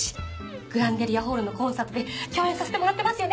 グランデリアホールのコンサートで共演させてもらってますよね。